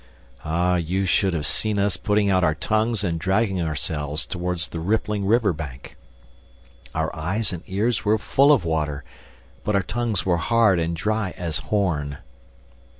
Ah, you should have seen us putting out our tongues and dragging ourselves toward the rippling river bank! Our eyes and ears were full of water, but our tongues were hard and dry as horn!